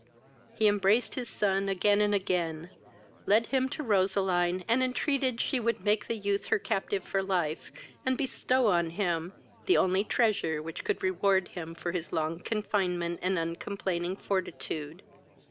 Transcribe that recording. He embraced his son again and again, led him to Roseline, and entreated she would make the youth her captive for life, and bestow on him the only treasure which could reward him for his long confinement and uncomplaining fortitude.